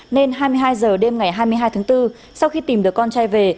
nên hai mươi hai h đêm ngày hai mươi hai tháng bốn sau khi tìm được con trai về